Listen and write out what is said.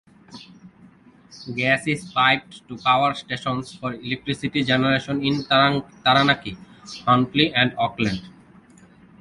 Gas is piped to power stations for electricity generation in Taranaki, Huntly and Auckland.